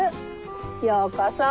ようこそ。